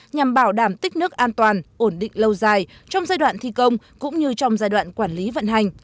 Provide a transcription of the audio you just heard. nhằm bảo đảm tích nước an toàn ổn định lâu dài trong giai đoạn thi công cũng như trong giai đoạn quản lý vận hành